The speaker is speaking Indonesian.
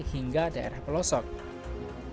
hingga daerah pelanggannya